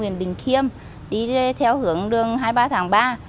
miền bình khiêm đi theo hưởng đường hai mươi ba tháng ba